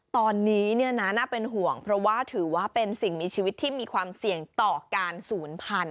ตอนนี้น่าเป็นห่วงเพราะว่าถือว่าเป็นสิ่งมีชีวิตที่มีความเสี่ยงต่อการศูนย์พันธุ